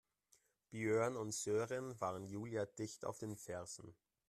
Björn und Sören waren Julia dicht auf den Fersen.